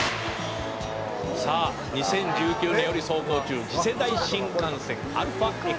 「さあ２０１９年より走行中次世代新幹線ＡＬＦＡ−Ｘ」